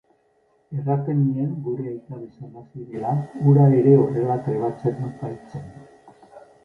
Erraten nien gure aita bezala zirela, hura ere horrela trebatzen baitzen!